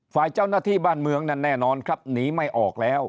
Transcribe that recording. ฝ่ายเจ้าหน้าที่บ้านเมืองนั้นแน่นอนครับหนีไม่ออกแล้ว